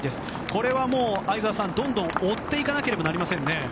これはもう相澤さんどんどん追っていかなければなりませんね。